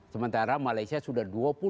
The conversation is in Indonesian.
sementara malaysia sudah dua puluh